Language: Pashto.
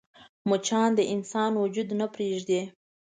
مچان د انسان وجود نه پرېږدي